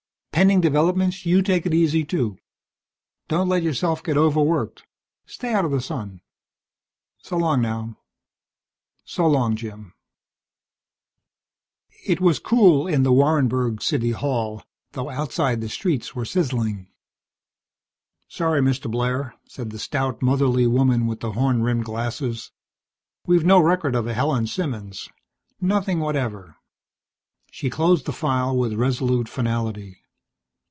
Pending developments you take it easy, too. Don't let yourself get overworked. Stay out of the sun. So long now." "So long, Jim." It was cool in the Warrenburg city hall, though outside the streets were sizzling. "Sorry, Mr. Blair," said the stout, motherly woman with the horn rimmed glasses. "We've no record of a Helen Simmons. Nothing whatever." She closed the file with resolute finality.